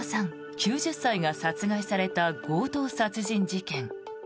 ９０歳が殺害された強盗殺人事件。